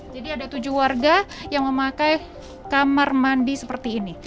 jadi ada tujuh warga yang memakai kamar mandi seperti ini